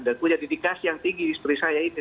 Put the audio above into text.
dan punya dedikasi yang tinggi di sebuah negara